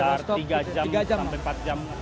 dari rostok tiga jam sampai empat jam